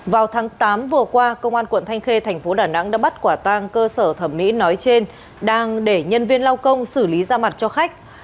vào tháng tám vừa qua công an quận thanh khê thành phố đà nẵng đã bắt quả tang cơ sở thẩm mỹ nói trên đang để nhân viên lau công xử lý da mặt cho khách